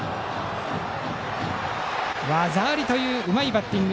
技ありといううまいバッティング。